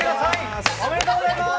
おめでとうございます！